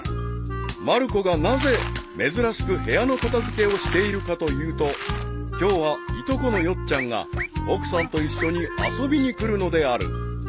［まる子がなぜ珍しく部屋の片付けをしているかというと今日はいとこのヨッちゃんが奥さんと一緒に遊びに来るのである］